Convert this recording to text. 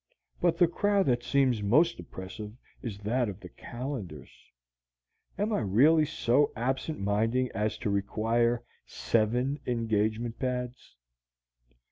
But the crowd that seems most oppressive is that of the calendars. Am I really so absent minded as to require seven engagement pads?